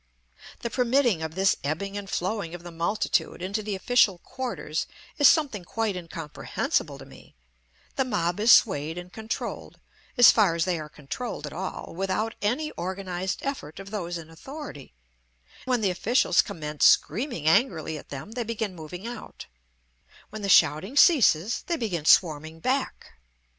The permitting of this ebbing and flowing of the multitude into the official quarters is something quite incomprehensible to me; the mob is swayed and controlled as far as they are controlled at all without any organized effort of those in authority; when the officials commence screaming angrily at them they begin moving out; when the shouting ceases they begin swarming back.